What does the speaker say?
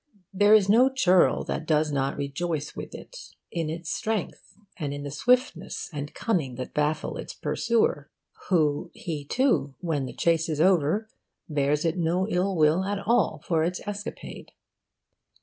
There is no churl that does not rejoice with it in its strength, and in the swiftness and cunning that baffle its pursuer, who, he too, when the chase is over, bears it no ill will at all for its escapade.